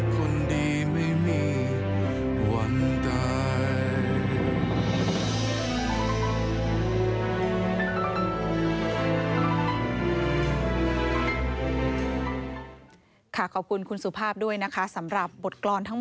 คนดีไม่มีวันใด